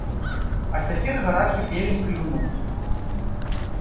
А цяпер гарачы певень клюнуў.